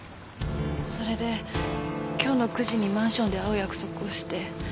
それで今日の９時にマンションで会う約束をして。